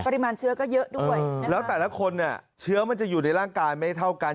มาเชื้อก็เยอะด้วยแล้วแต่ละคนเนี่ยเชื้อมันจะอยู่ในร่างกายไม่เท่ากัน